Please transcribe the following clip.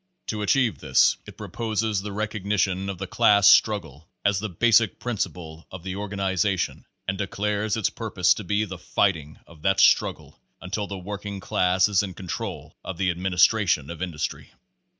To chieve this it proposes the recognition of the Class Struggle as the basic principle of the or ganization, and declares its purpose to be the fighting of that struggle until the working class is in control of the administration of industry.